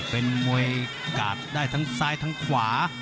เป็นมวยกาดได้ทั้งซ้ายทั้งขวา